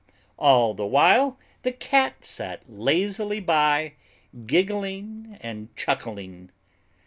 All the while the Cat sat lazily by, giggling and chuckling.